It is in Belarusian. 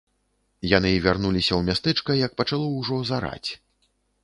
Яны вярнуліся ў мястэчка, як пачало ўжо зараць.